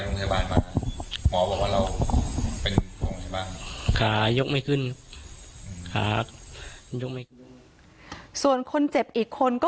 โรงพยาบาลมาหมอบอกว่าเรายกไม่ขึ้นส่วนคนเจ็บอีกคนก็